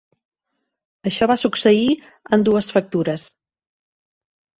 Això va succeir, en dues factures.